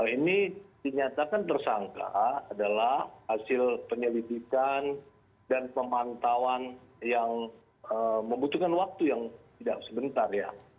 ini dinyatakan tersangka adalah hasil penyelidikan dan pemantauan yang membutuhkan waktu yang tidak sebentar ya